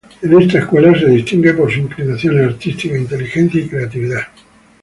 En esta escuela se distingue por sus inclinaciones artísticas, inteligencia y creatividad.